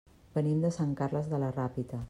Venim de Sant Carles de la Ràpita.